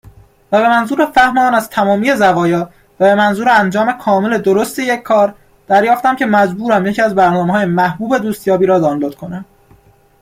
و به منظور فهم آن از تمامی زوایا و به منظورانجام کامل و درست یک کار، دریافتم که مجبورم یکی از برنامههای محبوب دوستیابی را دانلود کنم